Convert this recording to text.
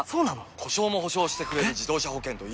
故障も補償してくれる自動車保険といえば？